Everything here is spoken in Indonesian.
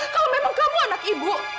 kalau memang kamu anak ibu